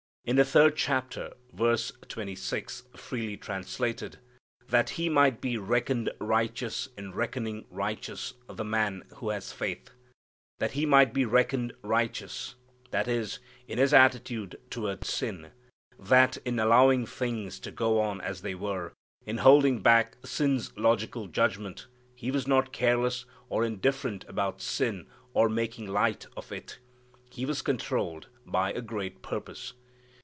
In the third chapter, verse twenty six, freely translated, "that He might be reckoned righteous in reckoning righteous the man who has faith." "That He might be reckoned righteous" that is, in His attitude toward sin. That in allowing things to go on as they were, in holding back sin's logical judgment, He was not careless or indifferent about sin or making light of it. He was controlled by a great purpose.